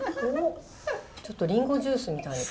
ちょっとりんごジュースみたい。